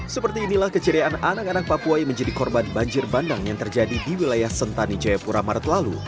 seperti inilah keceriaan anak anak papua yang menjadi korban banjir bandang yang terjadi di wilayah sentani jayapura maret lalu